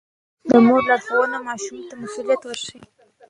د مور لارښوونه ماشوم ته مسووليت ورښيي.